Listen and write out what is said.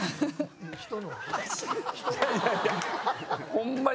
ホンマに。